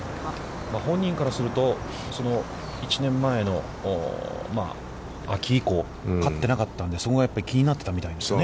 本人からすると、その１年前の秋以降、勝ってなかったのでそこが気になっていたみたいですね。